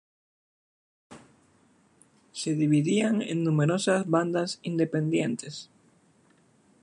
Se dividían en numerosas bandas independientes.